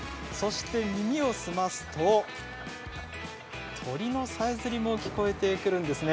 耳を澄ますと鳥のさえずりも聞こえてきます。